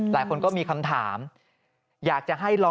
ปี๖๕วันเกิดปี๖๔ไปร่วมงานเช่นเดียวกัน